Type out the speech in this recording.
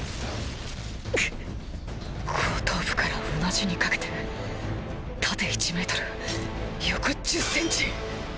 後頭部からうなじにかけて縦１ｍ横１０センチ。